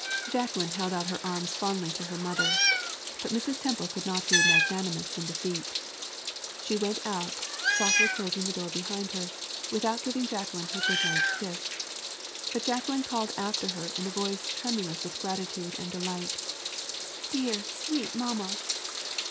Jacqueline held out her arms fondly to her mother, but Mrs. Temple could not be magnanimous in defeat. She went out, softly closing the door behind her, without giving Jacqueline her good night kiss, but Jacqueline called after her in a voice tremulous with gratitude and delight, "Dear, sweet mamma!"